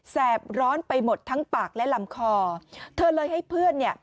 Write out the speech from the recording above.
แบร้อนไปหมดทั้งปากและลำคอเธอเลยให้เพื่อนเนี่ย